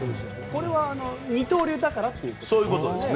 これは二刀流だからということですか。